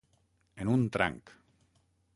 En un tranc.